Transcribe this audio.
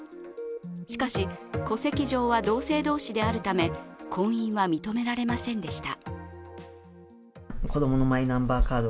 しかし戸籍上は同性同士であるため婚姻は認められませんでした。